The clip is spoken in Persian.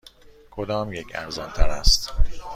کدامیک ارزان تر است؟